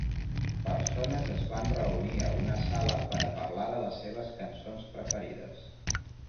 Persones es van reunir a una sala per a parlar de les seves cançons preferides.